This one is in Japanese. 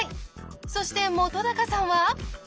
そして本さんは。